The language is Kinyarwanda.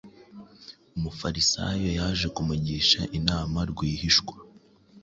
Umufarisayo Yaje kumugisha inama rwihishwa,